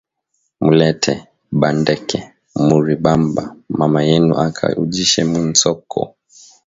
Mulete ba Ndeke muri bamba mama yenu aka ujishe mu nsoko